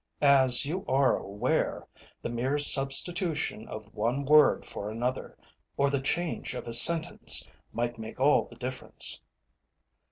"As you are aware, the mere substitution of one word for another, or the change of a sentence, might make all the difference."